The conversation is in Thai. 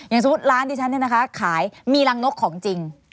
สมมุติร้านดิฉันเนี่ยนะคะขายมีรังนกของจริง